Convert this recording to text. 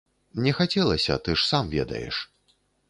Не хацелася, ты ж сам ведаеш.